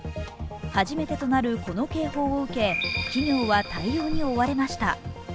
初めてとなるこの警報を受け、企業は対応に追われました。